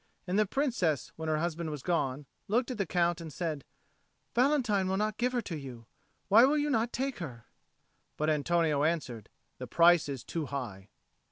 And the Princess, when her husband was gone, looked at the Count and said, "Valentine will not give her to you. Why will not you take her?" But Antonio answered: "The price is too high."